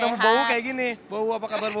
kalau ketemu bahu kayak gini bahu apa kabar bahu